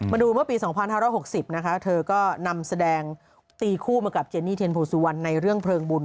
มาดูเมื่อปีสองพันห้าร้อยหกสิบนะคะเธอก็นำแสดงตีคู่มากับเจนนี่เทียนพูซวันในเรื่องเพลิงบุญ